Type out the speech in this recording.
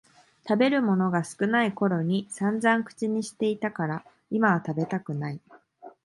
食べるものが少ないころにさんざん口にしてたから今は食べたくない